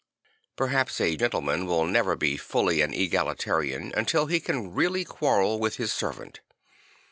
Perhaps a gentleman will never be fully an egalitarian until he can really quarrel with his servant.